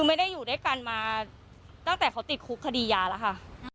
ไม่ได้อยู่ด้วยกันมาตั้งแต่เขาติดคุกคดียาแล้วค่ะ